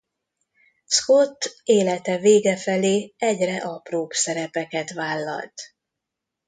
Scott élete vége felé egyre apróbb szerepeket vállalt.